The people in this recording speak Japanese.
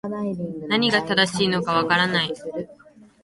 何が正しいのか分からない